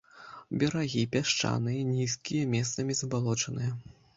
Берагі пясчаныя, нізкія, месцамі забалочаныя.